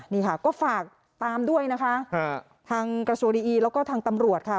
นี่ค่ะก็ฝากตามด้วยนะคะทางกระทรวงดีอีแล้วก็ทางตำรวจค่ะ